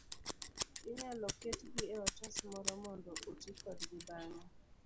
inyalo ketgi e otas moro mondo oti kodgi bang'e.